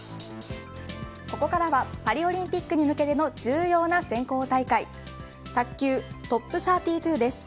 ここからはパリオリンピックに向けての重要な選考大会卓球ＴＯＰ３２です。